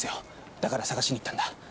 だから探しに行ったんだ。